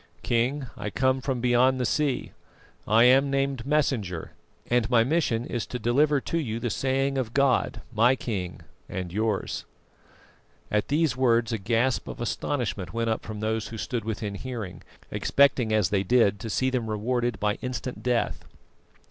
"King, I come from beyond the sea; I am named Messenger, and my mission is to deliver to you the saying of God, my King and yours." At these words a gasp of astonishment went up from those who stood within hearing, expecting as they did to see them rewarded by instant death.